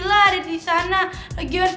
hah sini maju